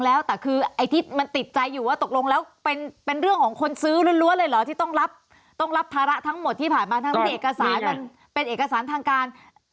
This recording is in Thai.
รั้วเลยเหรอที่ต้องรับต้องรับธาระทั้งหมดที่ผ่านมาทั้งทั้งที่เอกสารมันเป็นเอกสารทางการ